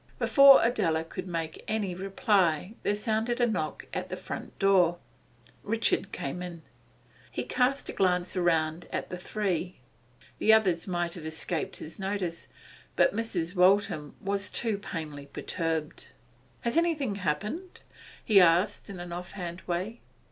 Before Adela could make any reply there sounded a knock at the front door; Richard came in. He cast a glance round at the three. The others might have escaped his notice, but Mrs. Waltham was too plainly perturbed. 'Has anything happened?' he asked in an offhand way.